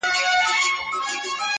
نن محتسب له خپل کتابه بندیز ولګاوه؛